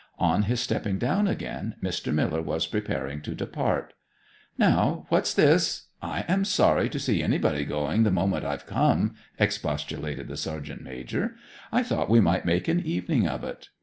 On his stepping down again Mr. Miller was preparing to depart. 'Now, what's this? I am sorry to see anybody going the moment I've come,' expostulated the sergeant major. 'I thought we might make an evening of it.